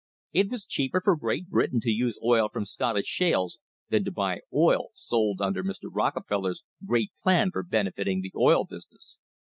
It was cheaper for Great Britain to use oil from Scottish shales than to buy oil sold under Mr. Rocke feller's great plan for benefiting the oil business.